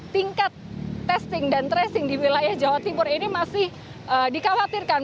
tingkat testing dan tracing di wilayah jawa timur ini masih dikhawatirkan